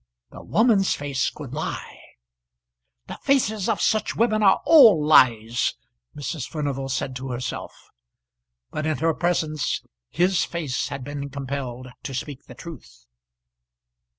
The woman's face could lie; "the faces of such women are all lies," Mrs. Furnival said to herself; but in her presence his face had been compelled to speak the truth.